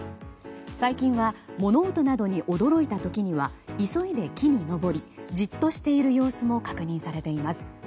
最近は物音などに驚いた時には急いで木に登りじっとしている様子も確認されています。